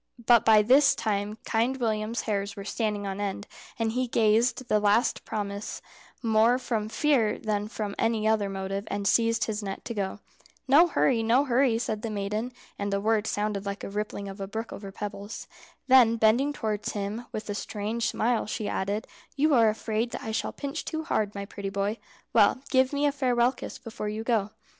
But by this time Kind William's hairs were standing on end, and he gave the last promise more from fear than from any other motive, and seized his net to go. "No hurry, no hurry," said the maiden (and the words sounded like the rippling of a brook over pebbles). Then bending towards him, with a strange smile, she added, "You are afraid that I shall pinch too hard, my pretty boy. Well, give me a farewell kiss before you go."